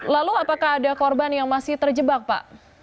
lalu apakah ada korban yang masih terjebak pak